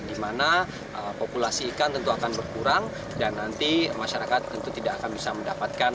di mana populasi ikan tentu akan berkurang dan nanti masyarakat tentu tidak akan bisa mendapatkan